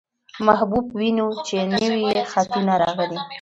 محبوب وينو، چې نوي يې خطونه راغلي.